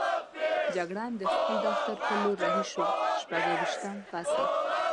جګړن د خپل دفتر په لور رهي شو، شپږویشتم فصل.